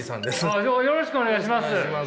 ああよろしくお願いします！